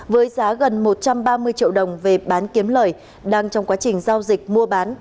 với giá gần một trăm ba mươi triệu đồng về bán kiếm lời đang trong quá trình giao dịch mua bán